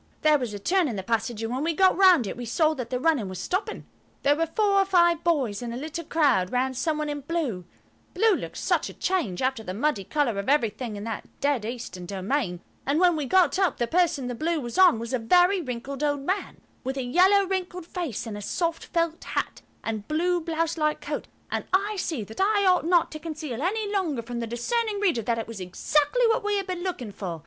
There was a turn in the passage, and when we got round it, we saw that the running was stopping. There were four or five boys in a little crowd round some one in blue–blue looked such a change after the muddy colour of everything in that dead Eastern domain–and when we got up, the person the blue was on was a very wrinkled old man, with a yellow wrinkled face and a soft felt hat and blue blouse like coat, and I see that I ought not to conceal any longer from the discerning reader that it was exactly what we had been looking for.